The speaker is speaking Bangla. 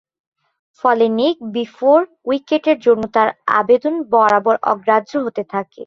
ফলে লেগ বিফোর উইকেটের জন্য তার আবেদন বারবার অগ্রাহ্য হতে থাকে।